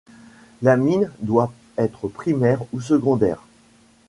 L'amine doit être primaire ou secondaire.